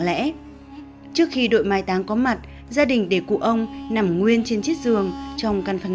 lẽ trước khi đội mai táng có mặt gia đình để cụ ông nằm nguyên trên chiếc giường trong căn phòng